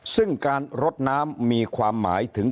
ซึ่งการรดน้ำมีความหมายถึง